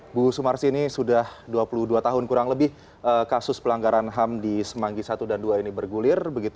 ibu sumarsi ini sudah dua puluh dua tahun kurang lebih kasus pelanggaran ham di semanggi satu dan dua ini bergulir